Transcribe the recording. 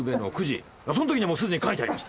その時にはもうすでに書いてありました。